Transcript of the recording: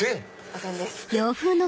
おでんです。